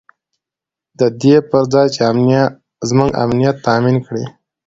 د دې پر ځای چې زموږ امنیت تامین کړي.